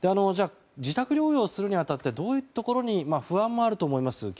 自宅療養するに当たってどういうところに不安もあると思います。